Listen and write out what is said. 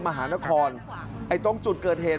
มหานครไอ้ตรงจุดเกิดเหตุ